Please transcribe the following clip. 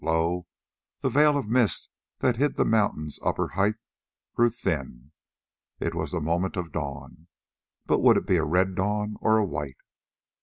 Lo! the veil of mist that hid the mountain's upper heights grew thin:—it was the moment of dawn, but would it be a red dawn or a white?